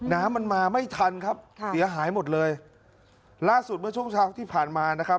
น้ำมันมาไม่ทันครับค่ะเสียหายหมดเลยล่าสุดเมื่อช่วงเช้าที่ผ่านมานะครับ